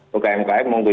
pukai umkm munggu